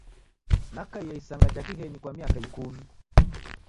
Nakaie isanga ja kighenyi kwa miaka ikumi.